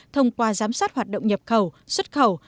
thông qua giám sát hoạt động nhập khẩu xuất khẩu